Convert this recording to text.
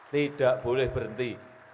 tidak boleh berhenti